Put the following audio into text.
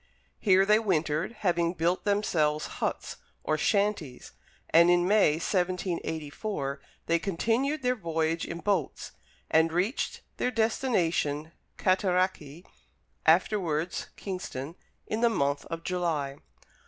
Here they wintered, having built themselves huts, or shanties, and in May, 1784, they continued their voyage in boats, and reached their destination, Cataraqui, afterwards Kingston, in the month of July.